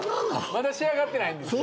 まだ仕上がってないんですよね。